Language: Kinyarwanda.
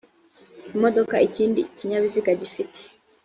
imodoka ikindi kinyabiziga gifite